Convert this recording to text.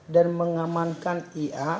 dan mengamankan ia